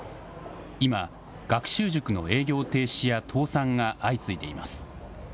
今、学習塾の営業停止や倒産が相次いでいます。